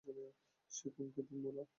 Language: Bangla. সে কোন ক্ষেতের মুলা?